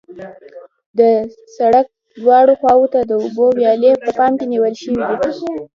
د سرک دواړو خواو ته د اوبو ویالې په پام کې نیول شوې دي